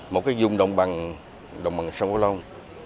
một cái dùng đồng bằng sông thửu long